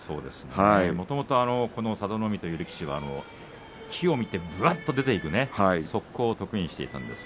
もともと佐田の海は機を見てぶわっと出ていく速攻を得意としています。